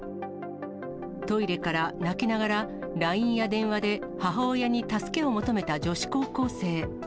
トイレから泣きながら、ＬＩＮＥや電話で母親に助けを求めた女子高校生。